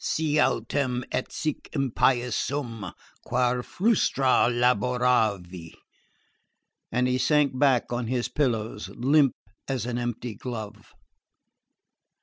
Si autem et sic impius sum, quare frustra laboravi?" And he sank back on his pillows limp as an empty glove.